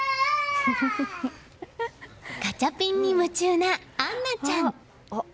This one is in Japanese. ガチャピンに夢中な杏南ちゃん。